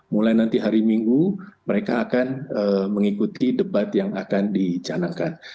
mulai nanti hari minggu mereka akan mengikuti debat yang akan dicanangkan